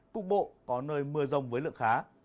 cục bộ có nơi mưa rông với lượng khá